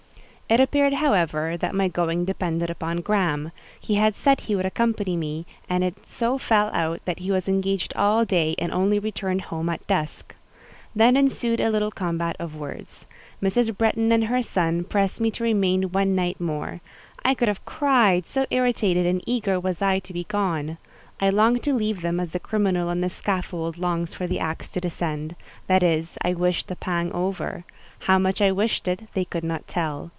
It appeared; however, that my going depended upon Graham; he had said he would accompany, me, and it so fell out that he was engaged all day, and only returned home at dusk. Then ensued a little combat of words. Mrs. Bretton and her son pressed me to remain one night more. I could have cried, so irritated and eager was I to be gone. I longed to leave them as the criminal on the scaffold longs for the axe to descend: that is, I wished the pang over. How much I wished it, they could not tell.